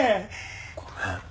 ごめん。